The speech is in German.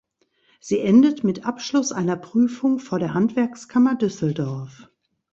Sie endet mit Abschluss einer Prüfung vor der Handwerkskammer Düsseldorf.